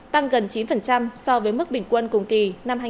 tăng gần chín so với mức bình quân cùng kỳ năm hai nghìn hai mươi hai